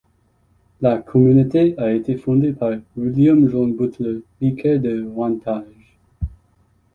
La communauté a été fondée par William John Butler, vicaire de Wantage.